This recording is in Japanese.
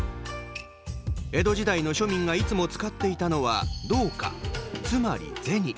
江戸時代の庶民がいつも使っていたのは銅貨、つまり銭。